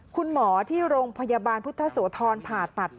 คุณหมอที่โรงพยาบาลพุทธโสธรผ่าตัด